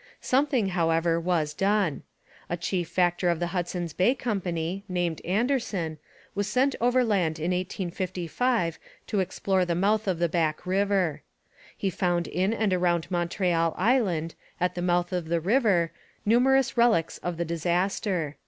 Something, however, was done. A chief factor of the Hudson's Bay Company, named Anderson, was sent overland in 1855 to explore the mouth of the Back river. He found in and around Montreal Island, at the mouth of the river, numerous relics of the disaster.